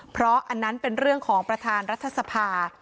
เพราะอันนั้นเป็นเรื่องของประธานรัฐสภา